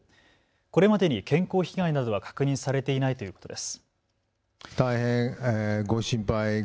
これまでに健康被害などは確認されていないということです。